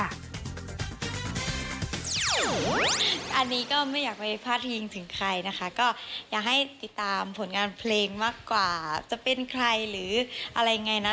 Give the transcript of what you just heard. อันนี้ก็ไม่อยากไปพาดพิงถึงใครนะคะก็อยากให้ติดตามผลงานเพลงมากกว่าจะเป็นใครหรืออะไรยังไงนะ